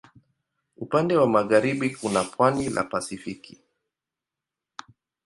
Upande wa magharibi kuna pwani la Pasifiki.